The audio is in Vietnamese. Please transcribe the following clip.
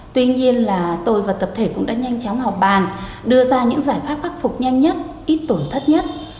tuy nhiên là tôi và tập thể cũng đã nhanh chóng họp bàn đưa ra những giải pháp khắc phục nhanh nhất ít tổn thất nhất